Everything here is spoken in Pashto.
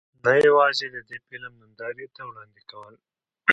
نۀ يواځې د دې فلم نندارې ته وړاندې کول